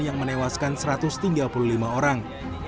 dan menewaskan satu ratus tiga puluh lima orang